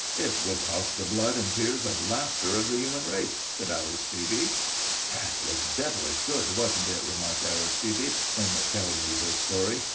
"It would cost the blood and tears and laughter of the human race," said Aristide. ("That was devilish good, wasn't it?" remarked Aristide, when telling me this story.